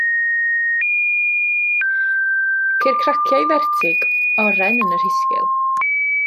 Ceir craciau fertig, oren yn y rhisgl.